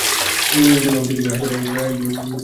তোমরা হায়দারের একজন লোককে ধরেছ।